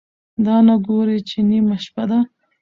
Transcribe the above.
دا نه ګوري چې نیمه شپه ده،